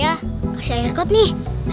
aku dorong ya